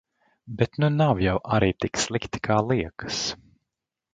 Bet nu nav jau arī tik slikti kā liekas.